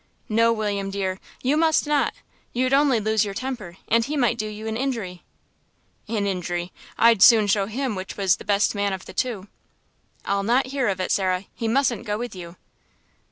"No, William dear; you must not; you'd only lose your temper, and he might do you an injury." "An injury! I'd soon show him which was the best man of the two." "I'll not hear of it, Sarah. He mustn't go with you."